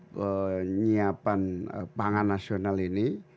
penyiapan pangan nasional ini